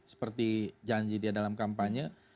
seperti janji dia dalam kampanye